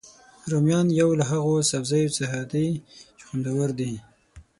رومیان یو له هغوسبزیو څخه دي چې خوندور دي